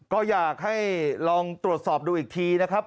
ก็อยากให้ลองตรวจสอบดูอีกทีนะครับ